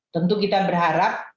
tentu kita berharap